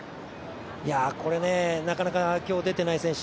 これ、なかなか今日出てない選手